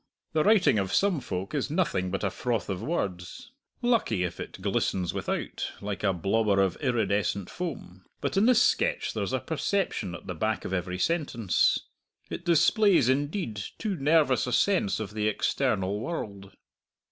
The writing of some folk is nothing but a froth of words lucky if it glistens without, like a blobber of iridescent foam. But in this sketch there's a perception at the back of every sentence. It displays, indeed, too nervous a sense of the external world."